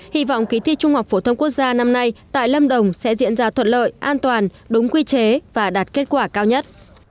hy vọng kỳ thi trung học phổ thông quốc gia năm nay tại lâm đồng sẽ diễn ra thuận lợi an toàn đúng quy chế và đạt kết quả cao nhất